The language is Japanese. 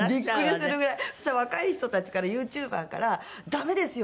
そしたら若い人たちからＹｏｕＴｕｂｅｒから「ダメですよ！